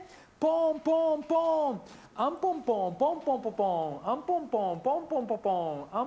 ポンポンポン、アンポンポンポンポンポンポン。